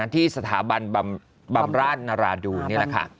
ที่สถาบันบำราชนราดูนนี่แหละค่ะ